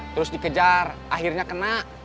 terus dikejar akhirnya kena